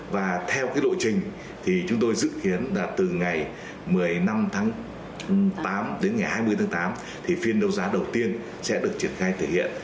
và theo lộ trình thì chúng tôi dự kiến là từ ngày một mươi năm tháng tám đến ngày hai mươi tháng tám thì phiên đấu giá đầu tiên sẽ được triển khai thể hiện